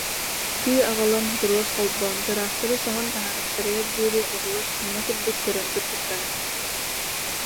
Тыы аҕалан, трос холбоон тыраахтары соһон таһаарыахтарыгар диэри оҕолор киинэ курдук көрөн турбуттара